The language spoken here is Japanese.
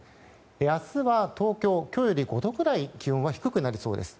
明日は東京、今日より５度くらい気温は低くなりそうです。